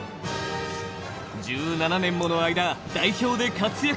１７年もの間、代表で活躍。